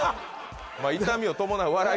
痛みを伴う笑い